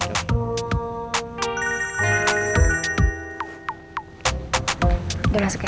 udah masuk ya